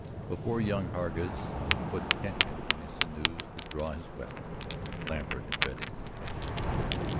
Before young Hargus had put tension on his sinews to draw his weapon, Lambert had read his intention.